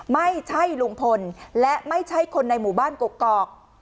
ไม่ใช่ลุงพลและไม่ใช่คนในหมู่บ้านกกอก